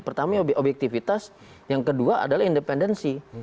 pertama objektivitas yang kedua adalah independensi